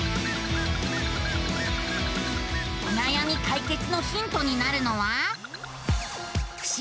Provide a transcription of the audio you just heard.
おなやみ解決のヒントになるのは。